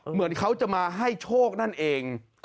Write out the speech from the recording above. เหมือนเขาจะมาให้โชคนั่นเอง